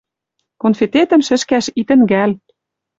Конфететӹм шӹшкӓш и тӹнгӓл!..